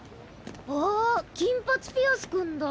ああ金髪ピアス君だ。